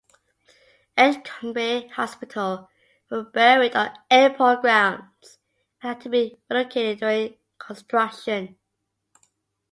Edgecumbe Hospital were buried on airport grounds and had to be relocated during construction.